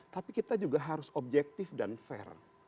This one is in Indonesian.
tapi kita juga harus objektif dan fair